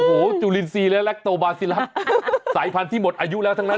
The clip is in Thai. อู้โหดูลินซีระรักโตบา็ดซีระปสายพันธุ์ที่หมดอายุแล้วทั้งนั้น